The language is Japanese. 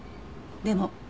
でも。